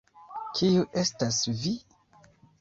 Kiu estas vi?